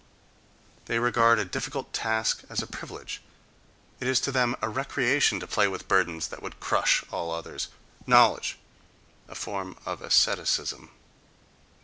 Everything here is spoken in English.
They regard a difficult task as a privilege; it is to them a recreation to play with burdens that would crush all others.... Knowledge—a form of asceticism.